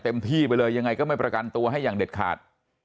ที่ไปเลยยังไงก็ไม่ประกันตัวให้อย่างเด็ดขาด